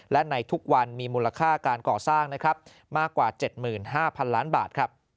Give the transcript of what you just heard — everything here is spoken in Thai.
และในทุกวันมีมูลค่าการก่อสร้างมากกว่า๗๕๐๐๐ล้านบาท